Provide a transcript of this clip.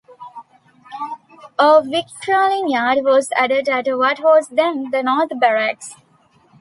A victualling yard was added at what was then the North Barracks.